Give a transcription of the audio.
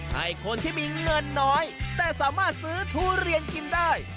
ให้คนที่มีเงินน้อยแต่สามารถซื้อทุเรียนกินได้